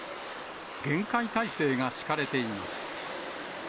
厳戒態勢が敷かれています。